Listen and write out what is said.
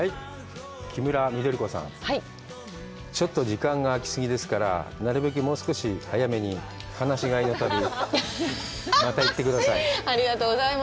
キムラ緑子さん、ちょっと時間があき過ぎですから、なるべくもう少し早めに放し飼いの旅、また行ってください。